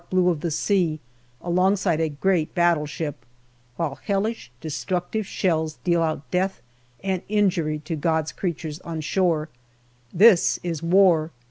APRIL 38 blue of the sea alongside a great battleship, while hellish destructive shells deal out death and injury to God's creatures on shore. This is war